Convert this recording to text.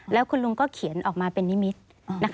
แล้วคุณลุงก็เขียนออกมาเป็นนิมิตร